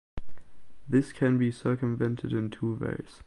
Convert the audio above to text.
This can be circumvented in two ways.